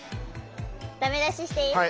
駄目出ししていい？